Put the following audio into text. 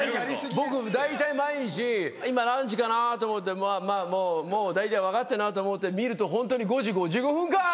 僕大体毎日今何時かな？と思ってまぁ大体分かってんなと思って見るとホントに「５時５５分かい！」。